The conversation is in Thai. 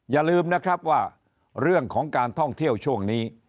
อย่าลืมนะครับว่าเรื่องของการท่องเที่ยวช่วงนี้